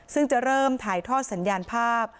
ซึ่งจะเริ่มถ่ายทอดสัญญาณภาพ